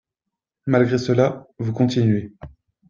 Malgré cela, vous continuez.